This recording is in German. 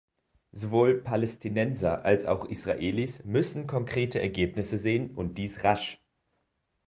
Sowohl Palästinenser als auch Israelis müssen konkrete Ergebnisse sehen, und dies rasch.